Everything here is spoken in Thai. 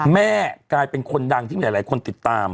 แม่กลายเป็นคนดังที่มีหลายคนติดตาม